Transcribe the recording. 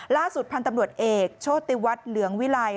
ล่าสุดพันธ์ตำรวจเอกโชติวัฒน์เหลืองวิลัย